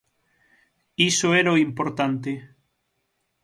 Iso era o importante.